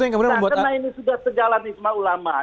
karena ini sudah segala isma'ul ulama